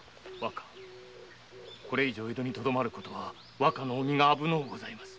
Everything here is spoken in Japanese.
これ以上江戸にとどまる事はお身が危のうございます。